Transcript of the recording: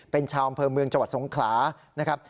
เป็นชาวอำเภอเมืองจังหวัดสงขลานะครับ